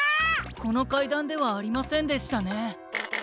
このかいだんではありませんでしたね。